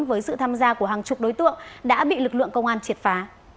với sự tham gia của hàng chục đối tượng đã bị lực lượng công an triệt phá